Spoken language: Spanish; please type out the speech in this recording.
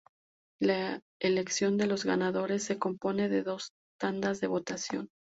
La elección de los ganadores se compone de dos tandas de votación.